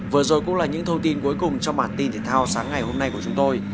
vừa rồi cũng là những thông tin cuối cùng trong bản tin thể thao sáng ngày hôm nay của chúng tôi